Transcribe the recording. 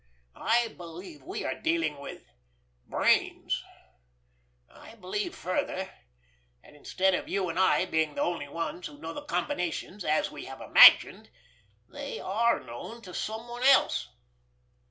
I believe we are dealing with—brains. I believe, further, that instead of you and I being the only ones who know the combinations, as we have imagined, they are known to someone else.